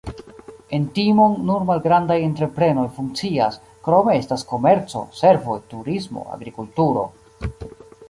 En Timon nur malgrandaj entreprenoj funkcias, krome estas komerco, servoj, turismo, agrikulturo.